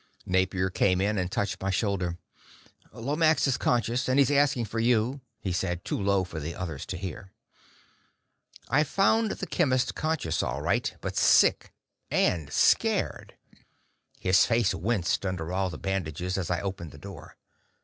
Napier came in and touched my shoulder. "Lomax is conscious, and he's asking for you," he said, too low for the others to hear. I found the chemist conscious, all right, but sick and scared. His face winced, under all the bandages, as I opened the door.